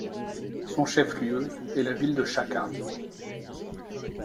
Son chef-lieu est la ville de Chacas.